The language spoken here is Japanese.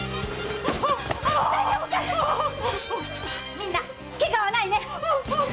みんなケガはないね